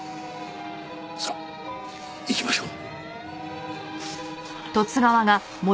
さあ行きましょう。